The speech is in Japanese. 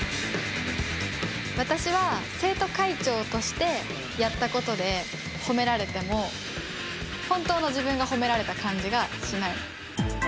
私は生徒会長としてやったことで褒められても本当の自分が褒められた感じがしない。